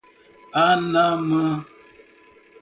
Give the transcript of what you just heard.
Anamã